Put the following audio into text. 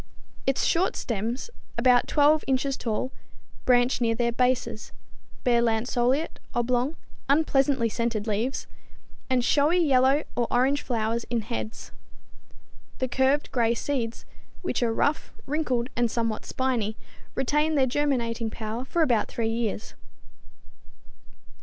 Its short stems, about 12 inches tall, branch near their bases, bear lanceolate, oblong, unpleasantly scented leaves, and showy yellow or orange flowers in heads. The curved, gray seeds, which are rough, wrinkled and somewhat spiny, retain their germinating power for about three years.